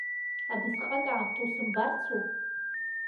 Абысҟакаамҭа усымбарцу?